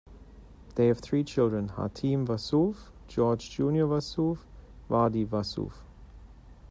They have three children: Hatem Wassouf, George Junior Wassouf, Wadie Wassouf.